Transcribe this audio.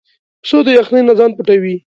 پسه د یخنۍ نه ځان پټوي.